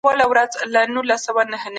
ځینې فشارونه پټ پاتې کېږي.